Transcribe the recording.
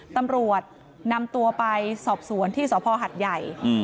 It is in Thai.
ตำรวจนำตัวไปสอบสวนที่สภหัดใหญ่